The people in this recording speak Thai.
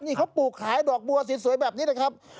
นี่เขาปลูกขายดอกบัวสวยแบบนี้นะครับ